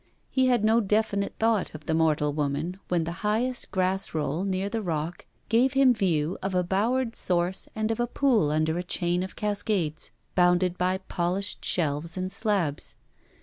He had no definite thought of the mortal woman when the highest grass roll near the rock gave him view of a bowered source and of a pool under a chain of cascades, bounded by polished shelves and slabs.